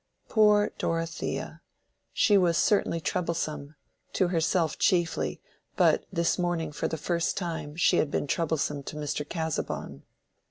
Poor Dorothea! she was certainly troublesome—to herself chiefly; but this morning for the first time she had been troublesome to Mr. Casaubon.